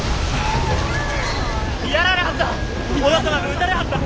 やられはった！